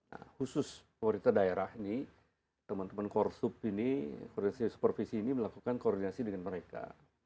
nah khusus kualitas daerah ini teman teman korsup ini koordinasi dan supervisi ini melakukan koordinasi dengan mereka